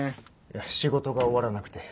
いや仕事が終わらなくて。